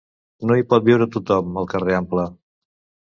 No hi pot viure tothom, al carrer Ample.